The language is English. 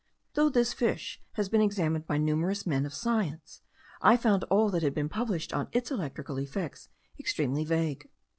Though this fish had been examined by numerous men of science, I found all that had been published on its electrical effects extremely vague.